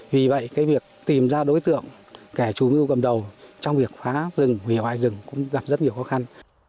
vì vậy việc tìm ra đối tượng kẻ chủ mưu cầm đầu trong việc phá rừng hủy hoại rừng cũng gặp rất nhiều khó khăn